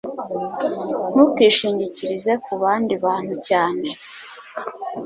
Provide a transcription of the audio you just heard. ntukishingikirize kubandi bantu cyane